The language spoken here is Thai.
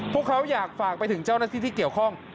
พวกเขาอยากฝากไปถึงเจ้าหน้าที่ที่เกี่ยวข้อง